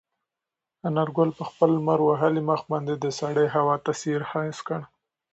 انارګل په خپل لمر وهلي مخ باندې د سړې هوا تاثیر حس کړ.